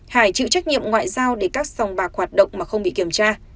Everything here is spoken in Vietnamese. hải chịu trách nhiệm ngoại giao để các sòng bạc hoạt động mà không bị kiểm tra